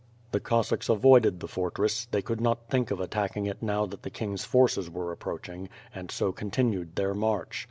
The Cossacks avoided the fortress, they could not think of attacking it now that the king's forces were approaching, and so continued their march.